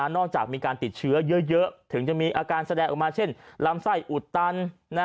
มีการติดเชื้อเยอะถึงจะมีอาการแสดงออกมาเช่นลำไส้อุดตัน